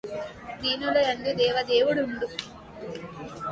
దీనులందు దేవదేవుడుండు